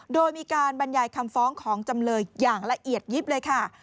โดยมีการบรรยายคำฟ้องของจำเลยอย่างละเอียดยิบเลยค่ะ